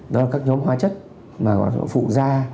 đó là các nhóm hóa chất mà còn phụ ra